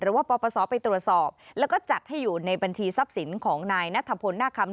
ปปศไปตรวจสอบแล้วก็จัดให้อยู่ในบัญชีทรัพย์สินของนายนัทพลหน้าคำ